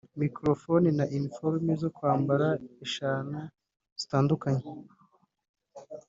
microphones na uniforme zo kwambara eshanu zitandukanye